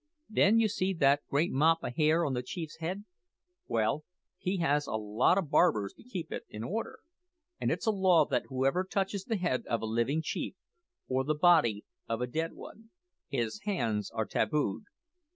Then, you see that great mop o' hair on the chief's head? Well, he has a lot o' barbers to keep it in order; and it's a law that whoever touches the head of a living chief or the body of a dead one, his hands are tabued.